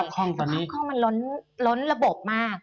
สภาพคล่องมันล้นระบบมาก